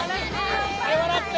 笑って。